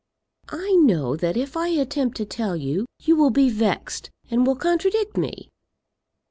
"I know that if I attempt to tell you, you will be vexed, and will contradict me."